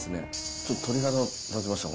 ちょっと鳥肌が立ちました。